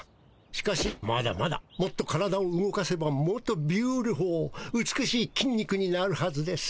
しかしまだまだもっと体を動かせばもっとビューティフル美しいきん肉になるはずです。